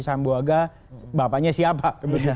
sambuaga bapaknya siapa